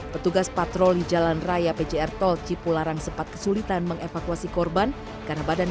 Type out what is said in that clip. petugas patroli jalan raya pjr tol cipularang sempat kesulitan mengevakuasi korban karena badan